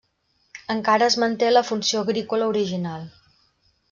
Encara es manté la funció agrícola original.